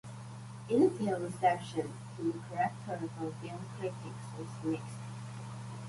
Initial reception to the character from film critics was mixed.